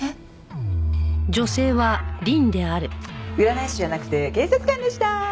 占い師じゃなくて警察官でした！